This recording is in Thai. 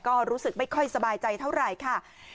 ก็รู้สึกไม่ค่อยสบายใจเท่าไหร่ค่ะ